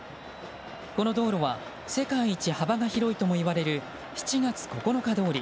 この道路は世界一幅が広いともいわれる７月９日通り。